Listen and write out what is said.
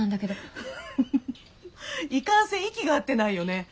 フフフいかんせん息が合ってないよね。